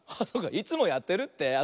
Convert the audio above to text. いつもやってるって？